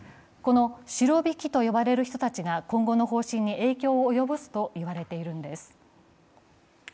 このシロビキと呼ばれる人たちが今後の方針に影響を及ぼすと言われているんです。